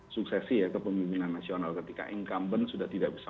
suksesi ya kepemimpinan nasional ketika incumbent sudah tidak bisa